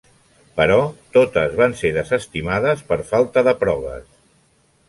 Però totes van ser desestimades per falta de proves.